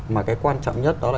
mà cái quan trọng nhất đó là